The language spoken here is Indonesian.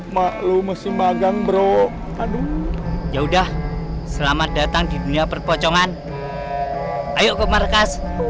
maklu musim magang bro ya udah selamat datang di dunia perpocongan ayo ke markas